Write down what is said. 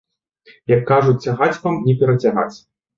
Як кажуць, цягаць вам не перацягаць.